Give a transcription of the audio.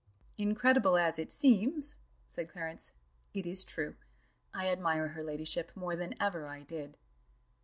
"Incredible as it seems," said Clarence, "it is true: I admire her ladyship more than ever I did."